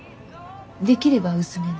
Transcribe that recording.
できれば薄めで。